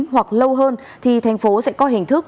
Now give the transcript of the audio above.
hoặc lâu hơn thì thành phố sẽ có hình thức